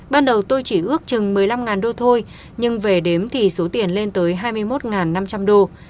ban đầu tôi chỉ ước chừng một mươi năm đô thôi nhưng về đếm thì số tiền lên tới hai mươi một năm trăm linh đô